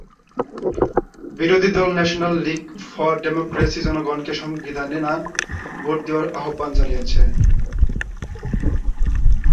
বিরোধী দল national league for democracy জনগণকে সংবিধানে "না" ভোট দেওয়ার আহ্বান জানিয়েছে।